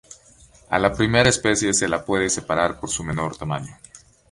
A la primera especie se la puede separar por su menor tamaño.